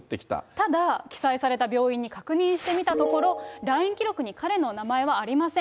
ただ、記載された病院に確認してみたところ、来院記録に彼の名前はありません。